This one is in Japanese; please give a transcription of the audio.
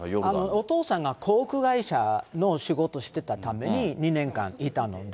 お父さんが航空会社の仕事してたために、２年間いたので。